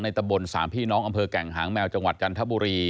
ตะบนสามพี่น้องอำเภอแก่งหางแมวจังหวัดจันทบุรี